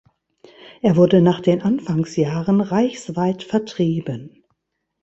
Er wurde nach den Anfangsjahren reichsweit vertrieben.